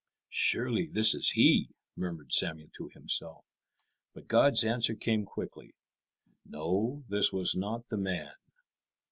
"Surely this is he," murmured Samuel to himself. But God's answer came quickly. No, this was not the man.